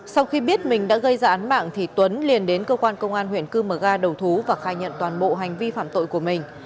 sau khi biết mình đã gây ra án mạng thì tuấn liền đến cơ quan công an huyện cư mờ ga đầu thú và khai nhận toàn bộ hành vi phạm tội của mình